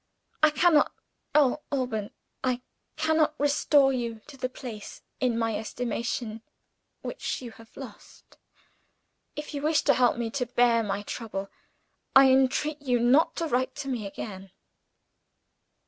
I cannot oh, Alban, I cannot restore you to the place in my estimation which you have lost! If you wish to help me to bear my trouble, I entreat you not to write to me again."